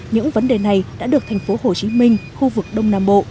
những vấn đề này đã được thành phố hồ chí minh khu vực đông nam bộ